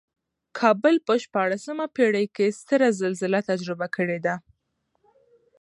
کابل په شپاړسمه پېړۍ کې ستره زلزله تجربه کړې ده.